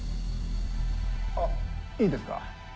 あっいいですか？